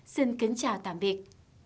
xin kính chào tạm biệt